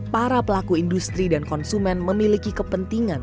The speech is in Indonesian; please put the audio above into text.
para pelaku industri dan konsumen memiliki kepentingan